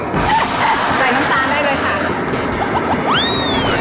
ใส่น้ำตาได้เลยค่ะ